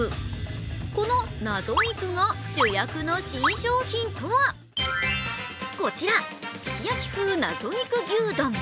この謎肉が主役の新商品とはこちら、すき焼き風謎肉牛丼。